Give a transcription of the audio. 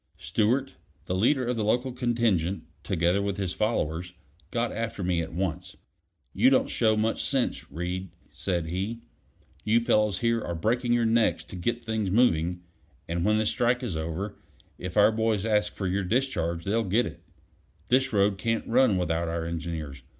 Stewart, the leader of the local contingent, together with his followers, got after me at once. "You don't show much sense, Reed," said he. "You fellows here are breaking your necks to get things moving, and when this strike's over, if our boys ask for your discharge, they'll get it. This road can't run without our engineers.